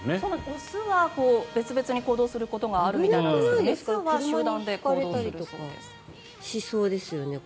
雄は別々に行動することがあるみたいなんですけど雌は集団で行動するそうです。